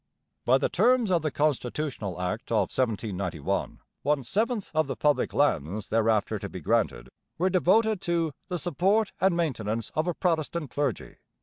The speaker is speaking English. By the terms of the Constitutional Act of 1791 one seventh of the public lands thereafter to be granted were devoted to 'the Support and Maintenance of a Protestant Clergy.'